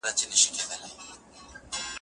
تورو پیریانو او یو سترګي دیو وطن لاندې کړ